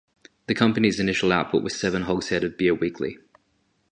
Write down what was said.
The company's initial output was seven hogsheads of beer weekly.